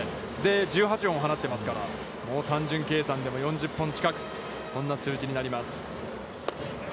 １８本放っていますから、もう単純計算でも４０本近くそんな数字になります。